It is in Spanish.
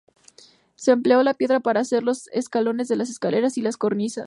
Se empleó la piedra para hacer los escalones de las escaleras y las cornisas.